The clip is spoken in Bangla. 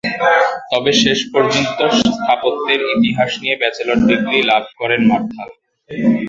তবে শেষ পর্যন্ত স্থাপত্যের ইতিহাস নিয়ে ব্যাচেলর ডিগ্রি লাভ করেন মার্থা।